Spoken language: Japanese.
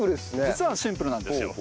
実はシンプルなんですよ。